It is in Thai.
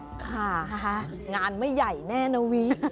ค่ะงานไม่ใหญ่แน่นะวิ